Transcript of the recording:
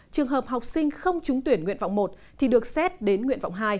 trường hợp học sinh không trúng tuyển nguyện vọng một thì được xét đến nguyện vọng hai